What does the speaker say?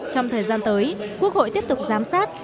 trong thời gian tới quốc hội tiếp tục giám sát